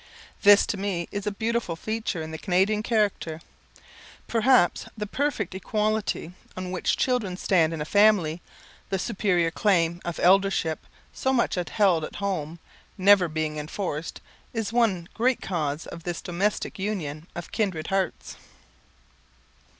This to me is a beautiful feature in the Canadian character. Perhaps the perfect equality on which children stand in a family, the superior claim of eldership, so much upheld at home, never being enforced, is one great cause of this domestic union of kindred hearts.